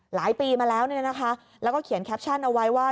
หลายปีมาแล้วเนี่ยนะคะแล้วก็เขียนแคปชั่นเอาไว้ว่า